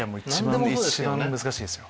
一番難しいですよ。